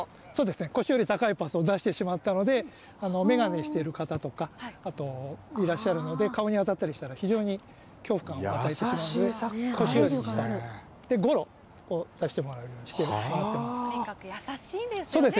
腰より高いパスを出してしまったので、眼鏡している方とか、あと、いらっしゃるので、顔に当たったりしたら、非常に恐怖感を与えてしまうので、腰より下でゴロを出してもらうようにしてもらとにかく優しいんですね。